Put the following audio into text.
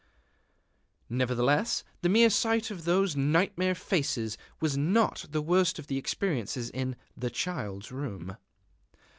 Nevertheless the mere sight of those nightmare faces was not the worst of the experiences in the Child's Room.